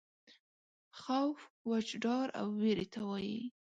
خوف وچ ډار او وېرې ته وایي.